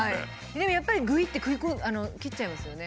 でもやっぱりグイッて切っちゃいますよね